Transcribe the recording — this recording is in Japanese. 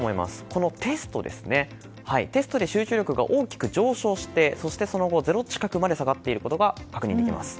このテストで集中力が大きく上昇してそしてその後ゼロ近くまで下がっていることが確認できます。